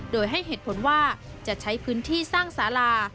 โดยให้เหตุผลว่าจะใช้พื้นที่สร้างสารา